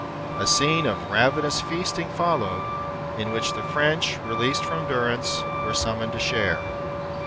A scene of ravenous feasting followed, in which the French, released from durance, were summoned to share.